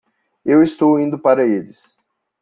Eu estou indo para eles.